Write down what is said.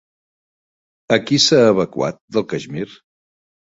A qui s'ha evacuat del Caixmir?